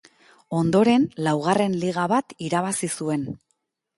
Ondoren laugarren liga bat irabazi zuen.